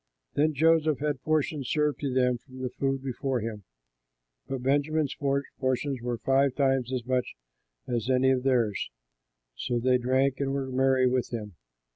Then Joseph had portions served to them from the food before him. But Benjamin's portions were five times as much as any of theirs. So they drank and were merry with him.